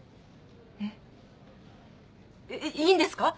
えっ？えっいいんですか？